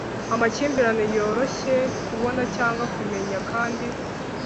Amakimbirane yoroshye kubona cyangwa kumenya kandi